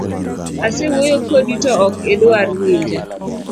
Asewuoyo kodi to ok idwar winja.